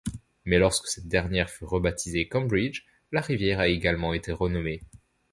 Mais lorsque cette dernière fut rebaptisée Cambridge, la rivière a été également renommée.